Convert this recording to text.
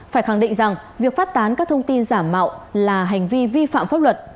phải khẳng định rằng việc phát tán các thông tin giả mạo là hành vi vi phạm pháp luật